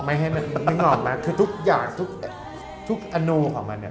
ไม่ให้มันตอบมาคือทุกอย่างทุกอโนของมันเนี่ย